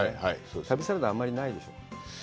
旅サラダはあんまりないでしょう？